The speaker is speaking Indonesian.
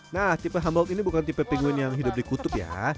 nah tipe humbold ini bukan tipe pingguin yang hidup di kutub ya